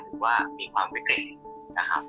หรือว่ามีความวิกฤตนะครับ